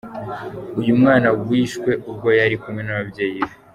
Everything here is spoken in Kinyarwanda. Uyu mwana wishwe ubwo yari kumwe n’ababyeyi be.